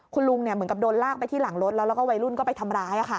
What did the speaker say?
คุณลุงเหมือนกับโดนลากไปที่หลังรถแล้วแล้วก็วัยรุ่นก็ไปทำร้าย